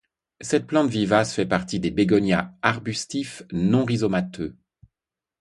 Cette plante vivace fait partie des bégonias arbustifs, non rhizomateux.